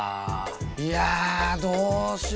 いやどうしよ。